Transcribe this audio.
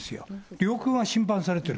領空が侵犯されてる。